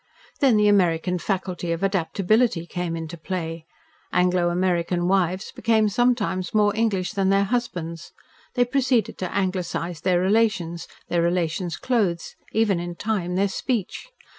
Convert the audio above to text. Then the American faculty of adaptability came into play. Anglo American wives became sometimes more English than their husbands. They proceeded to Anglicise their relations, their relations' clothes, even, in time, their speech.